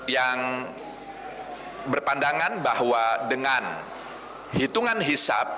yang berpandangan bahwa dengan hitungan hisap